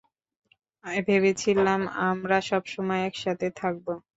ভেবেছিলাম আমরা সবসময় একসাথে থাকব।